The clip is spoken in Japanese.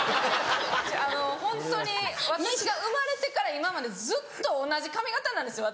ホントに私が生まれてから今までずっと同じ髪形なんですよ